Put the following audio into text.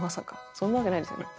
そんなわけないですよね。